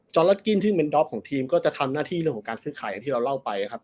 จอร์ลดกิ้นที่เป็นดอฟของทีมก็จะทำหน้าที่เรื่องการชื่อข่ายที่เราเล่าไปครับ